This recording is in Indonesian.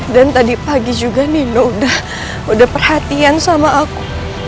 dan tadi pagi juga nino udah perhatian sama aku